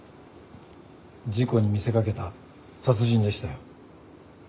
事故に見せ掛けた殺人でしたよ。